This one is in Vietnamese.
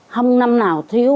không năm nào thiếu